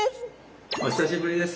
お久しぶりです。